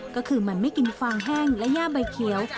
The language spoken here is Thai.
ก็คือมันไม่กินฟางแห้งและย่าใบเขียว